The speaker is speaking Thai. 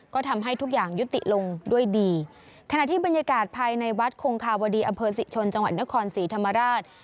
ก็ทำให้ทุกอย่างยุติลงด้วยดีขณะที่บรรยากาศภายในวัดคงคาวดีอำเภอศรีชนจังหวัดนครศรีธรรมราช